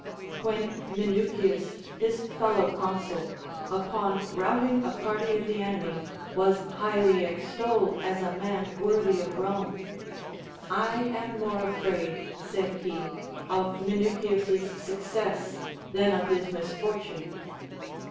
\Vhen Minucius, his fellow consul, 228 THE APOPHTHEGMS OF KINGS upon routing a party of the enemy, \vas highly extolled as a man worthy of Rome ; I am more afraid, said he, of Minucius's success than of his misfortune.